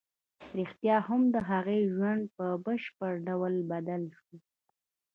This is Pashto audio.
رښتیا هم د هغه ژوند په بشپړ ډول بدل شو